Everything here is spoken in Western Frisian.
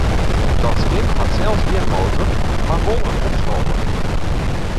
Dat skip hat sels gjin motor, mar wol in opskower.